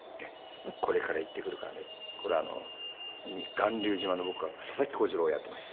巌流島の僕は佐々木小次郎をやっていました。